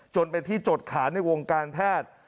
จนเป็นที่จดขาในวงการแพทย์